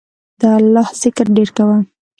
د الله ذکر ډیر کوه